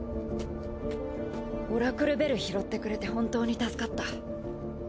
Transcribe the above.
オラクルベル拾ってくれて本当に助かった。